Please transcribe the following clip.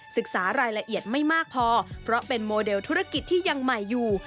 ศึกษารายละเอียดไม่มากพอเพราะเป็นโมเดลธุรกิจที่ยังใหม่อยู่